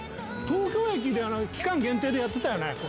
東京駅で期間限定でやってたよね。